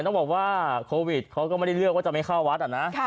ต้องบอกว่าโควิดเขาก็ไม่ได้เลือกว่าจะไม่เข้าวัดอ่ะนะ